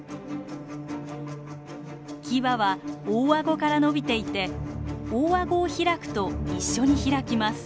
キバは大顎からのびていて大顎を開くと一緒に開きます。